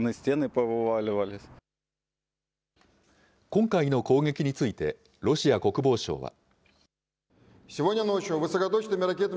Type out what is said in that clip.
今回の攻撃について、ロシア国防省は。